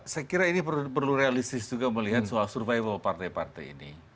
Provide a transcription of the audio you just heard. saya kira ini perlu realistis juga melihat soal survival partai partai ini